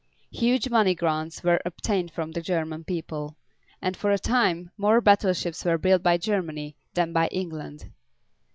Huge money grants were obtained from the German people, and for a time more battleships were built by Germany than by England.